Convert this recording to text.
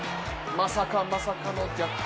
まさかまさかの逆転